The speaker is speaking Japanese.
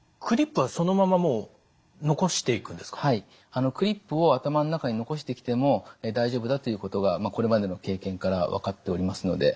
はいクリップを頭の中に残してきても大丈夫だということがこれまでの経験から分かっておりますので。